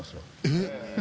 えっ。